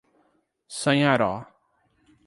Sanharó